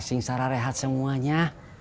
sehingga sarah rehat semuanya